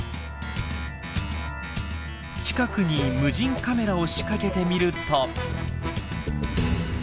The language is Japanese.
近くに無人カメラを仕掛けてみると。